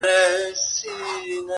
كوم حميد به خط و خال كاغذ ته يوسي،